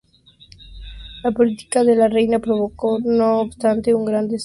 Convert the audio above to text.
La política de la reina provocó, no obstante, un gran descontento.